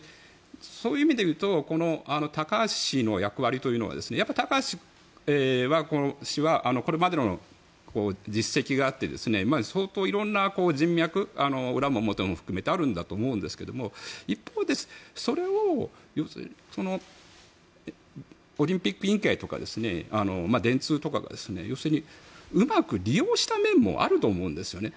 そういう意味でいうと高橋氏の役割というのは高橋氏はこれまでの実績があって相当、いろんな人脈が裏も表も含めてあるんだと思いますが一方で、それをオリンピック委員会とか電通とかがうまく利用した面もあると思うんですね。